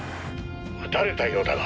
撃たれたようだが。